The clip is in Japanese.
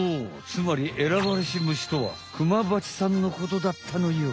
つまり「選ばれし虫」とはクマバチさんのことだったのよ。